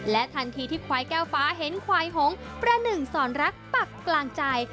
ทันทีที่ควายแก้วฟ้าเห็นควายหงประหนึ่งสอนรักปักกลางใจ